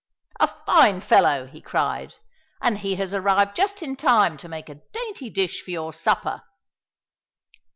"A fine fellow!" he cried, "and he has arrived just in time to make a dainty dish for your supper."